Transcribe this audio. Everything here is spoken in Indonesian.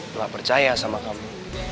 belah percaya sama kamu